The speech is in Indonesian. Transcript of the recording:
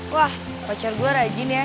wah pacar gue rajin ya